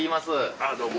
あぁどうも。